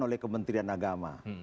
oleh kementerian agama